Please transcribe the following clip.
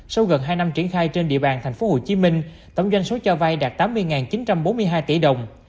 sau gần hai năm triển khai trên địa bàn tp hcm tổng doanh số cho vay đạt tám mươi chín trăm bốn mươi hai tỷ đồng